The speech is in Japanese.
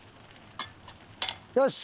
よし！